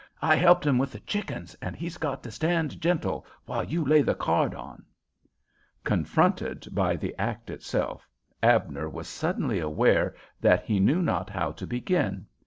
"I helped him with the chickens, and he's got to stand gentle while you lay the card on." Confronted by the act itself, Abner was suddenly aware that he knew not how to begin.